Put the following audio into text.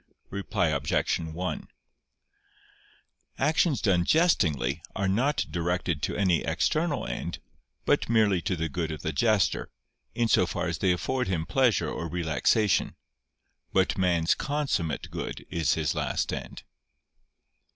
Reply Obj. 1: Actions done jestingly are not directed to any external end; but merely to the good of the jester, in so far as they afford him pleasure or relaxation. But man's consummate good is his last end.